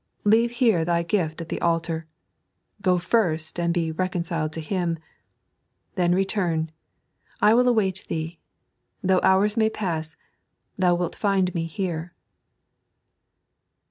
Leave here thy gift at the altar. Go first, and be reconciled to him. Then return ; I will await thee. Though hours may pBAS, thou wilt find Me here."